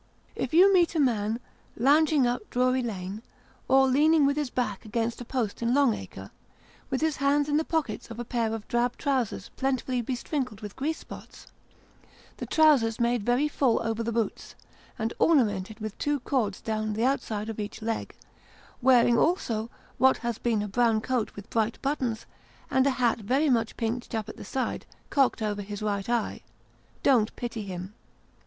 If you meet a man, lounging up Drury Lane, or leaning with his back against a post in Long Acre, with his hands in the pockets of a pair of drab trousers plentifully besprinkled with grease spots: the trousers made very full over the boots, and ornamented with two cords down the outside of each leg wearing, also, what has been a brown coat with bright buttons, and a hat very much pinched up at the sides, cocked over his right eye don't pity him.